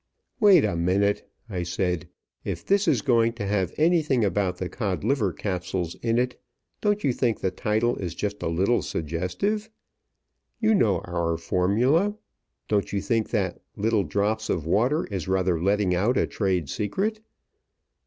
"Wait a minute," I said. "If this is going to have anything about the Codliver Capsules in it, don't you think the title is just a little suggestive? You know our formula. Don't you think that 'Little Drops of Water' is rather letting out a trade secret?"